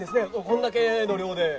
こんだけの量で。